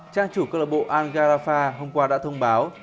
trang chủ club al garrafa hôm qua đã thông báo